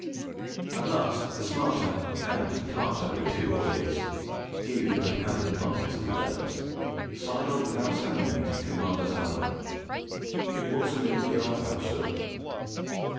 At last the smarter and tarter of the two orderlies, he who compounded the contents of the urns, sidled without ceremony to the commander's elbow. 'It wants a minute to the 'alf hour, sir.'